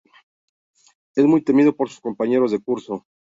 Es muy temido por sus compañeros de curso.